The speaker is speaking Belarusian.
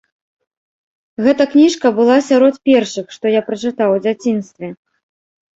Гэта кніжка была сярод першых, што я прачытаў у дзяцінстве.